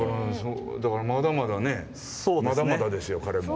だからまだまだねまだまだですよ彼も。